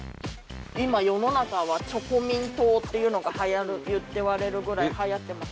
今世の中は「チョコミン党」っていうのがって言われるぐらいはやってます。